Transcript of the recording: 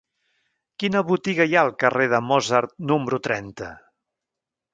Quina botiga hi ha al carrer de Mozart número trenta?